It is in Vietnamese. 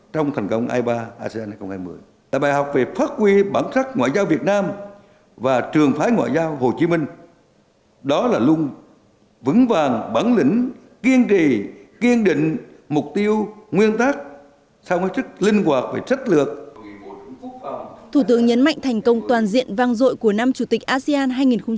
thủ tướng nhấn mạnh thành công toàn diện vang dội của năm chủ tịch asean hai nghìn hai mươi